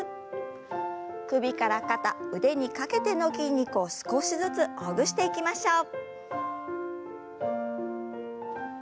首から肩腕にかけての筋肉を少しずつほぐしていきましょう。